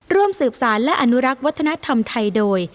ร่วมสืบสารและอนุรักษ์วัฒนธรรมไทยโดย